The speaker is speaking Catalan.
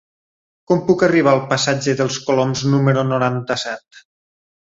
Com puc arribar al passatge dels Coloms número noranta-set?